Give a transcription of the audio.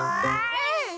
うん！